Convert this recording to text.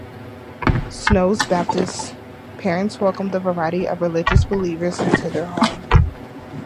Snow's Baptist parents welcomed a variety of religious believers into their home.